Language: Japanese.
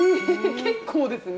結構ですね。